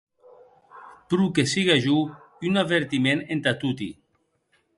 Pro que siga jo un avertiment entà toti.